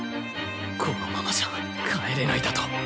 このままじゃ帰れないだと？